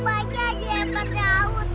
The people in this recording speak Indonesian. banyaknya yang berdaut